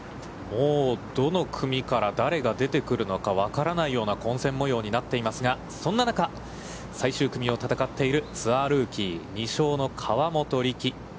もうどの組から誰が出てくるのか分からないような混戦模様になっていますが、そんな中、最終組を戦っているツアールーキー、２勝の河本力。